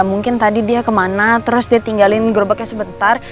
mungkin tadi dia kemana terus dia tinggalin gerobaknya sebentar